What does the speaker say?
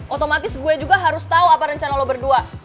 otomatis gue juga harus tahu apa rencana lo berdua